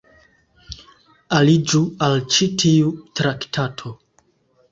Aliĝu al ĉi tiu traktato.